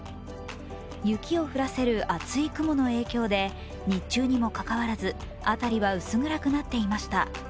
雪を降らせる厚い雲の影響で日中にもかかわらず、辺りは薄暗くなっていました。